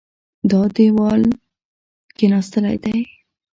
دا دېوال کېناستلی دی.